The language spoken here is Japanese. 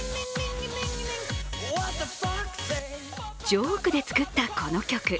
ジョークで作ったこの曲。